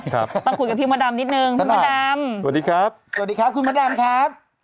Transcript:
ต้องคุยกับพี่มดามนิดนึงสวัสดีครับสวัสดีครับคุณมดามครับ